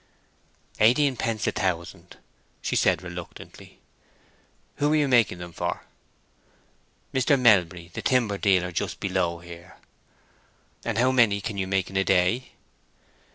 "Eighteenpence a thousand," she said, reluctantly. "Who are you making them for?" "Mr. Melbury, the timber dealer, just below here." "And how many can you make in a day?"